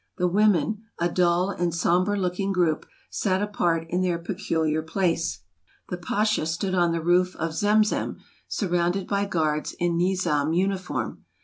The women, a dull and somber looking group, sat apart in their peculiar place. The Pasha 252 TRAVELERS AND EXPLORERS stood on the roof of Zem Zem, surrounded by guards in Nizam uniform.